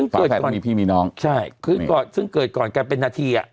ฝาแฝดมีพี่มีน้องใช่ซึ่งเกิดก่อนกันเป็นนาทีอะ